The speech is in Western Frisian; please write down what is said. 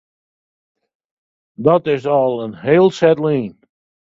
Dat is al in heel set lyn.